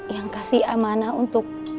yang kasih amanah untuk